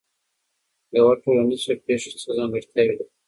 یوه ټولنیزه پېښه څه ځانګړتیاوې لري؟